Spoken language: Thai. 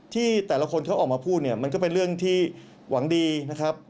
ที่แต่ละคนเขาออกมาพูดเนี่ยมันก็เป็นเรื่องที่หวังดีนะครับ